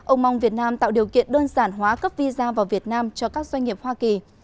ông mong việt nam tạo điều kiện đơn giản hóa cấp visa vào việt nam cho các doanh nghiệp hoa kỳ